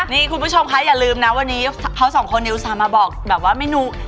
นี่คุณผู้ชมคะอย่าลืมนะวันนี้เขาสองคนนิวสามารถบอกแบบว่าเมนู